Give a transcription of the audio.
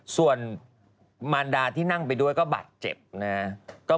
ส่วนมารดาที่นั่งไปด้วยก็บาดเจ็บนะครับ